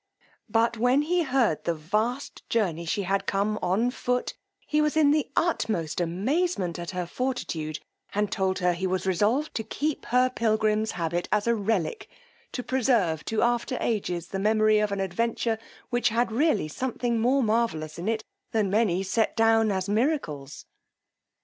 But when he heard the vast journey she had come on foot, he was in the utmost amazement at her fortitude, and told her he was resolved to keep her pilgrim's habit as a relique, to preserve to after ages the memory of an adventure, which had really something more marvellous in it than many set down as miracles.